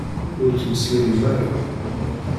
Ur ttmeslayem ara!